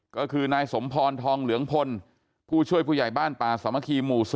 ก็คือนายสมพรทองเหลืองพลผู้ช่วยผู้ใหญ่บ้านป่าสามัคคีหมู่๔